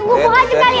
tunggu muhajir kalian